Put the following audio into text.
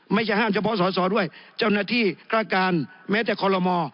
ไม่ใช่ห้ามเฉพาะสอสอด้วยเจ้าหน้าที่ฆาตการแม้แต่คอลโลม